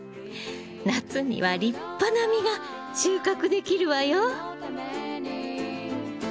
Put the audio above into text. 夏には立派な実が収穫できるわよ。